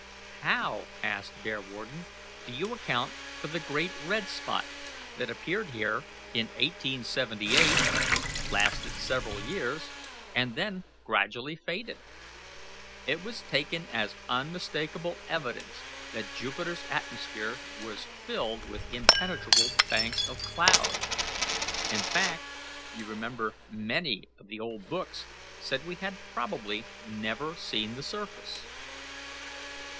"How, asked Bearwarden, "do you account for the 'great red spot' that appeared here in 1878, lasted several years, and then gradually faded? It was taken as unmistakable evidence that Jupiter's atmosphere was filled with impenetrable banks of cloud. In fact, you remember many of the old books said we had probably never seen the surface."